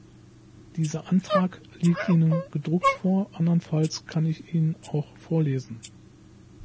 Dieser Antrag liegt Ihnen gedruckt vor, andernfalls kann ich ihn auch vorlesen.